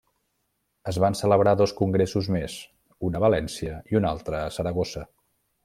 Es van celebrar dos congressos més, un a València, i un altre a Saragossa.